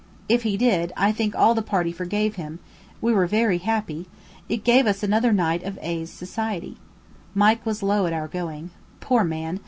If he did, I think all the party forgave him; we were very happy, it gave us another night of A 's society. Mike was low at our going. Poor man!